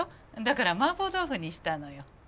だからマーボー豆腐にしたのよ。